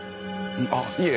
あっいえ